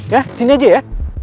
ya disini aja ya